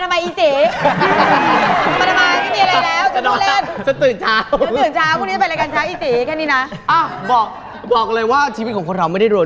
พี่แมนจักษ์จิ้มพี่เอกเจิมคิ้ม